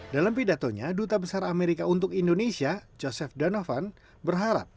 dalam pidatonya duta besar amerika untuk indonesia joseph donovan berharap